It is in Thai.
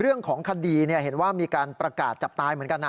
เรื่องของคดีเห็นว่ามีการประกาศจับตายเหมือนกันนะ